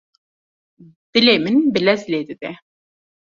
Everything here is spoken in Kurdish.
Dilê min bi lez lê dide.